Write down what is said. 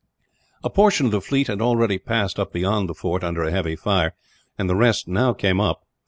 A portion of the fleet had already passed up beyond the fort, under a heavy fire; and the rest now came up.